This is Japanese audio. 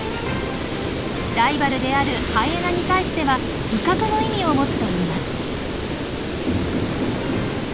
ライバルであるハイエナに対しては威嚇の意味を持つといいます。